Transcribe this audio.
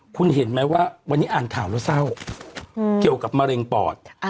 คุณเห็นไหมว่าวันนี้อ่านข่าวแล้วเศร้าเกี่ยวกับมะเร็งปอด